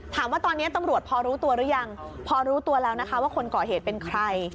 ถามว่าตอนนี้ตำรวจพอรู้ตัวหรือยังพอรู้ตัวแล้วนะคะว่าคนก่อเหตุเป็นใคร